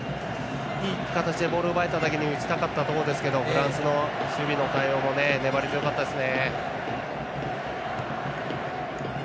いい形でボールを奪えただけに打ちたかったところですけどフランスの守備の対応も粘り強かったですね。